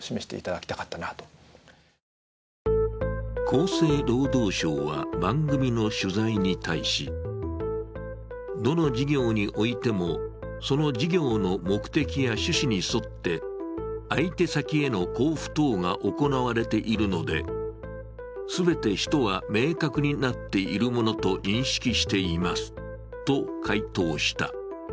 厚生労働省は番組の取材に対しどの事業においても、その事業の目的や趣旨に沿って相手先への交付等が行われているので全て使途は明確になっているものと認識していますと回答した。